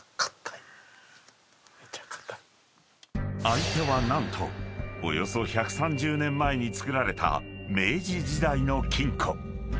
［相手は何とおよそ１３０年前に造られた明治時代の金庫］